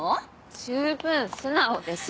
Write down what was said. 十分素直です。